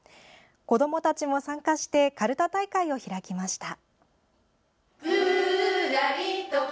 子どもたちも参加してカルタ大会を開きました。